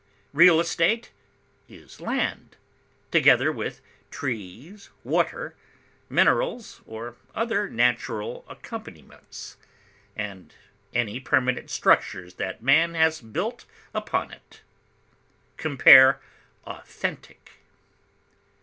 Real estate is land, together with trees, water, minerals, or other natural accompaniments, and any permanent structures that man has built upon it. Compare AUTHENTIC.